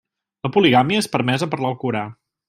La poligàmia és permesa per l'Alcorà.